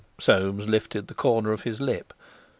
Soames lifted the corner of his lip.